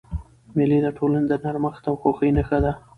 مېلې د ټولني د نرمښت او خوښۍ نخښه ده.